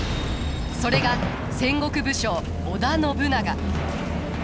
それが戦国武将織田信長。